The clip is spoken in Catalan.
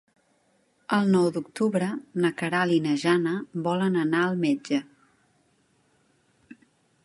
El nou d'octubre na Queralt i na Jana volen anar al metge.